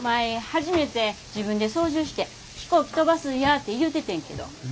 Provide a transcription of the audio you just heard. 初めて自分で操縦して飛行機飛ばすんやて言うててんけど。